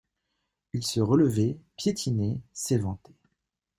Il se relevait, piétinait, s'éventait.